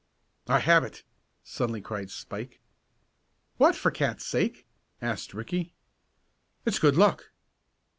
"I have it!" suddenly cried Spike. "What, for cats' sake?" asked Ricky. "It's good luck!"